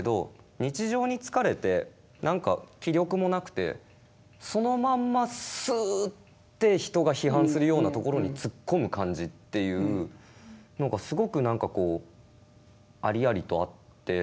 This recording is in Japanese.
日常に疲れて何か気力もなくてそのままスーッて人が批判するようなところに突っ込む感じっていうすごく何かこうありありとあって。